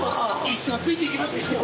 一生ついて行きます師匠。